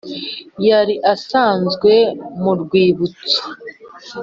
yari asanzwe mu rwibutso